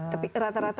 tapi rata rata itu